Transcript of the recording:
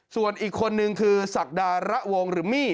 ส่วนอีกคนนึงคือศักดาระวงหรือมี่